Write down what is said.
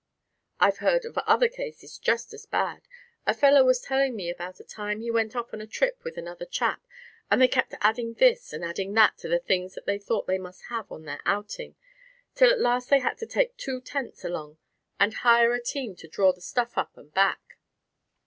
I've heard of other cases just as bad. A fellow was telling me about a time he went off on a trip with another chap and they kept adding this and adding that to the things that they thought they must have on their outing, till at last they had to take two tents along and hire a team to draw the stuff up and back."